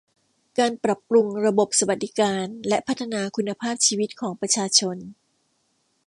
การปรับปรุงระบบสวัสดิการและพัฒนาคุณภาพชีวิตของประชาชน